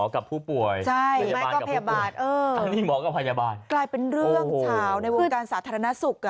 กลายเป็นเรื่องชาวในวงการสาธารณสุข